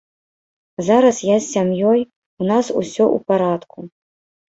Зараз я з сям'ёй, у нас усё ў парадку.